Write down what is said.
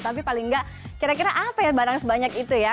tapi paling nggak kira kira apa ya barang sebanyak itu ya